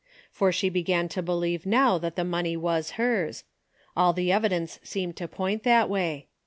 For she began to be lieve now that the money was hers. All the evidence seemed to point that way.